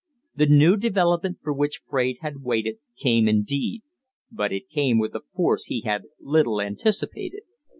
The new development for which Fraide had waited came indeed, but it came with a force he had little anticipated.